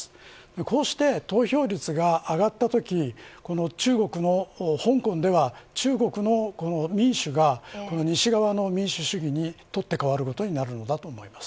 こうして投票率が上がったとき香港では中国の民主が西側の民主主義に取って代わることになるのだと思います。